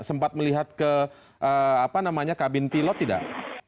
sempat melihat ke kabin pilot tidak